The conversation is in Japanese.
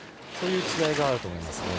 そういう違いがあると思います。